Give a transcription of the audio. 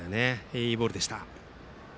いいボールでした。